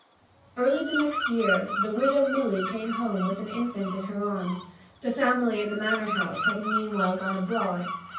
Early the next year the widow Milly came home with an infant in her arms, the family at the Manor House having meanwhile gone abroad.